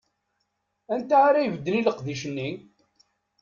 Anta ara ibedden i leqdic-nni?